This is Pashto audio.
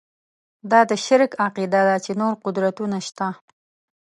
دا د شرک عقیده ده چې نور قدرتونه شته.